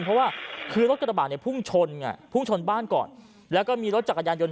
เพราะว่ารถกระบะพุ่งชนบ้านก่อนแล้วก็มีรถจักรยานยนต์